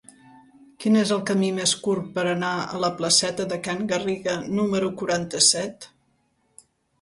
Quin és el camí més curt per anar a la placeta de Can Garriga número quaranta-set?